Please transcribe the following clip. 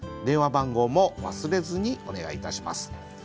電話番号も忘れずにお願いいたします。